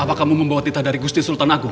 apakah kamu membawa titah dari gusti sultan agung